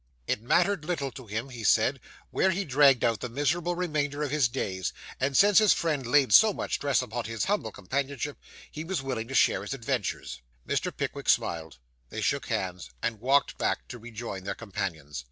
'It mattered little to him,' he said, 'where he dragged out the miserable remainder of his days; and since his friend laid so much stress upon his humble companionship, he was willing to share his adventures.' Mr. Pickwick smiled; they shook hands, and walked back to rejoin their companions.